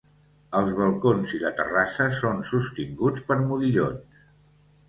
Els balcons i la terrassa són sostinguts per modillons.